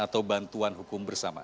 untuk penegakan hukum bersama